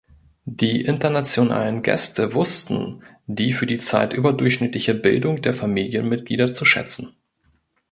Die internationalen Gäste wussten die für die Zeit überdurchschnittliche Bildung der Familienmitglieder zu schätzen.